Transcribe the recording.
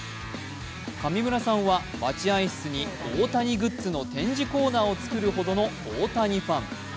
上村さんは待合室に大谷グッズの展示コーナーを作るほどの大谷ファン。